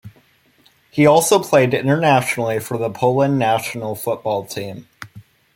He also played internationally for the Poland national football team.